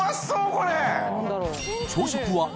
これ。